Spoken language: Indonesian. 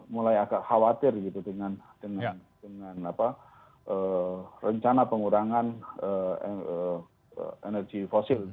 mulai agak khawatir gitu dengan rencana pengurangan energi fosil